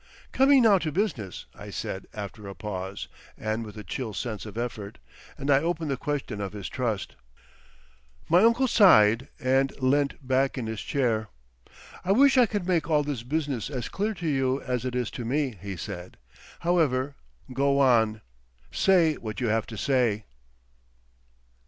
"Coming now to business," I said after a pause, and with a chill sense of effort; and I opened the question of his trust. My uncle sighed, and leant back in his chair. "I wish I could make all this business as clear to you as it is to me," he said. "However—Go on! Say what you have to say."